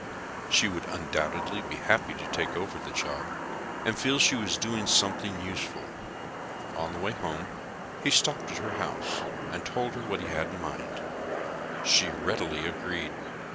She would undoubtedly be happy to take over the job and feel she was doing something useful. On the way home he stopped at her house and told her what he had in mind. She readily agreed.